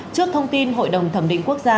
trước thông tin hội đồng thẩm định quốc gia